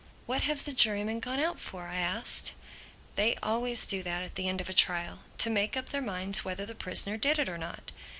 "What have the jurymen gone out for?" I asked. "They always do that at the end of a trial—to make up their minds whether the prisoner did it or not."